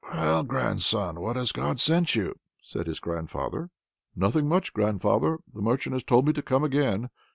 "Well, grandson, what has God sent you?" says his grandfather. "Nothing much, grandfather! The merchant told me to come again.